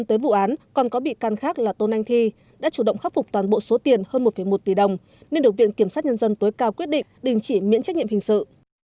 trước khi khởi tối vụ án trần khắc hiệp đã nộp bảy bốn tỷ đồng để khắc phục một phần hậu quả